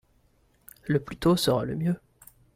Le plus tôt sera le mieux.